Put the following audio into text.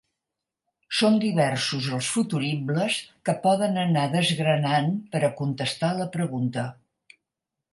Són diversos els futuribles que podem anar desgranant per a contestar la pregunta.